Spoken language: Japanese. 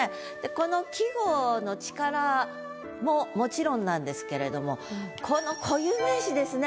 この季語の力ももちろんなんですけれどもこの固有名詞ですね。